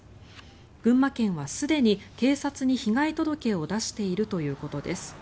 群馬県は、すでに警察に被害届を出しているということです。